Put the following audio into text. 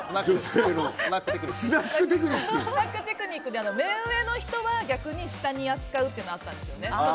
スナックテクニックで目上の人は逆に下に扱うっていうのはあったんですよね。